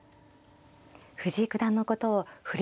藤井九段のことを振り